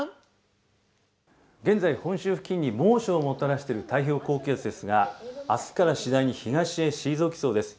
現在、本州付近に猛暑をもたらしている太平洋高気圧ですが、あすから次第に東へ退きそうです。